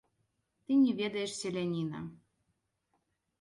Ты не ведаеш селяніна.